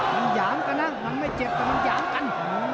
มันหยามกันนะมันไม่เจ็บแต่มันหยามกัน